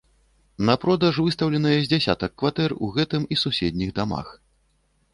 На продаж выстаўленыя з дзясятак кватэр у гэтым і суседніх дамах.